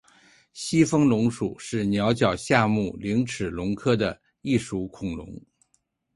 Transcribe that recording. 西风龙属是鸟脚下目棱齿龙科的一属恐龙。